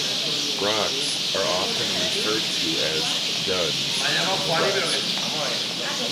Brochs are often referred to as "duns" in the west.